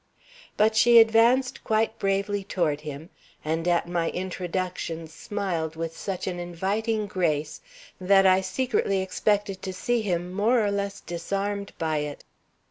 But she advanced quite bravely toward him, and at my introduction smiled with such an inviting grace that I secretly expected to see him more or less disarmed by it.